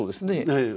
ええ。